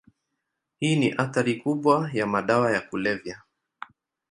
Hii ni athari kubwa ya madawa ya kulevya.